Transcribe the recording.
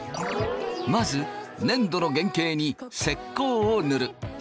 まず粘土の原型に石膏を塗る。